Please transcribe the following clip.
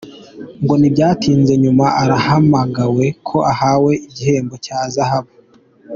Ngo ntibyatinze yumva arahamagawe ko ahawe igihembo cya Zahabu.